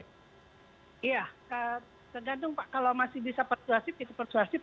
iya tergantung pak kalau masih bisa persuasif itu persuasif